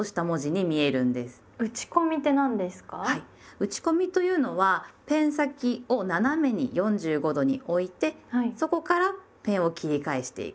打ち込みというのはペン先を斜めに４５度に置いてそこからペンを切り返していく。